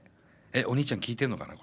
えっお兄ちゃん聴いてんのかな？